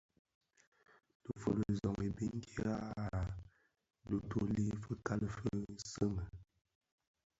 Dhifuli zoň i biňkira a dhituli, fikali fi soňi,